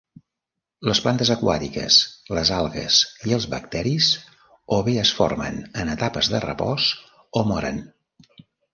Les plantes aquàtiques, les algues i els bacteris o bé es formen en etapes de repòs o moren.